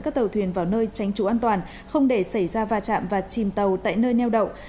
các tàu thuyền vào nơi tránh trú an toàn không để xảy ra va chạm và chìm tàu tại nơi neo đậu